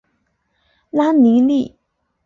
拉尼利。